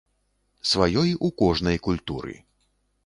Сваёй у кожнай культуры.